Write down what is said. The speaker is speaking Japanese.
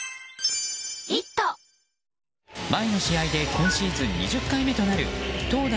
前の試合で今シーズン２０回目となる投打